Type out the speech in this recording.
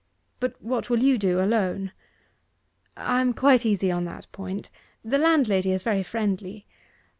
But what will you do, alone?' 'I am quite easy on that point; the landlady is very friendly.